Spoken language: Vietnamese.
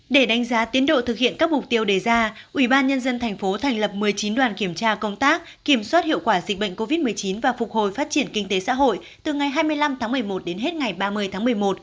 để đánh giá tiến độ thực hiện các mục tiêu đề ra ubnd tp thành lập một mươi chín đoàn kiểm tra công tác kiểm soát hiệu quả dịch bệnh covid một mươi chín và phục hồi phát triển kinh tế xã hội từ ngày hai mươi năm tháng một mươi một đến hết ngày ba mươi tháng một mươi một